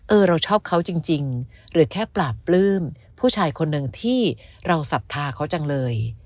เราชอบเขาจริงหรือแค่ปราบปลื้มผู้ชายคนหนึ่งที่เราศรัทธาเขาจังเลย